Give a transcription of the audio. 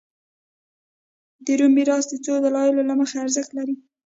د روم میراث د څو دلایلو له مخې ارزښت لري